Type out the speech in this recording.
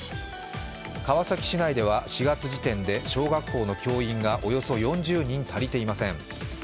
川崎市内では４月時点で小学校教員がおよそ４０人足りていません。